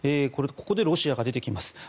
ここでロシアが出てきます。